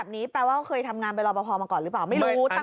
ไม่รู้อ่ะ